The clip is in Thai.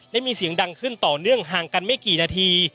และมีเสียงดังขึ้นต่อเนื่องห่างกันไม่กี่นาที